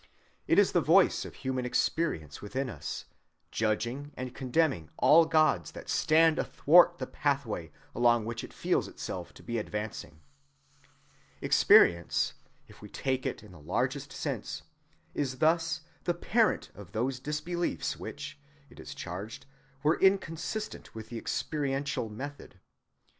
It is the voice of human experience within us, judging and condemning all gods that stand athwart the pathway along which it feels itself to be advancing. Experience, if we take it in the largest sense, is thus the parent of those disbeliefs which, it was charged, were inconsistent with the experiential method.